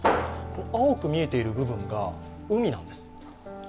青く見えている部分が海なんです。